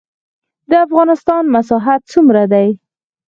د افغانستان مساحت څومره دی؟